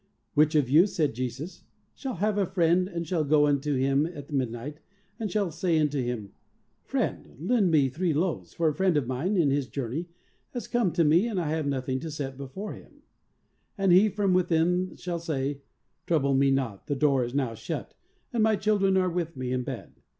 "Which of you," said Jesus, "shall have a friend and shall go unto him at midnight and shall say unto him, 'Friend, lend me three loaves, for a friend of mine in his journey has come to me, and I have nothing to set before him/ PRAYER. 23 and he from within shall say, 'Trouble me not, the door is now shut, and my children are with me in bed.